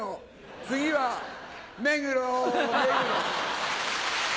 次は目黒目黒。